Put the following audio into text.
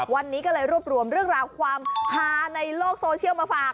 วันนี้ก็เลยรวบรวมเรื่องราวความฮาในโลกโซเชียลมาฝาก